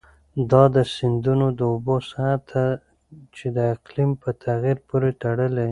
دا د سیندونو د اوبو سطحه ده چې د اقلیم په تغیر پورې تړلې.